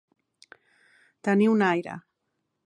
Tenir un aire.